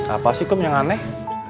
apa sih kum yang aneh